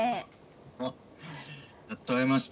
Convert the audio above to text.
やっと会えました。